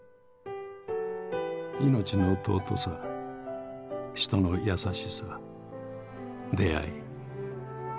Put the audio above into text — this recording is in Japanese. いのちの尊さ人の優しさ出会い。